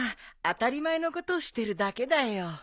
当たり前のことしてるだけだよ。